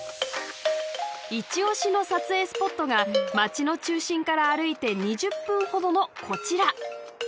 いち押しの撮影スポットが街の中心から歩いて２０分ほどのこちら。